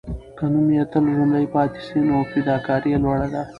که نوم یې تل ژوندی پاتې سي، نو فداکاري یې لوړه ده.